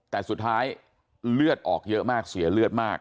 แต่สุดท้ายเลือดออกเยอะมากเสียเลือดมาก